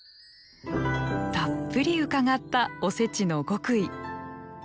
たっぷり伺ったおせちの極意。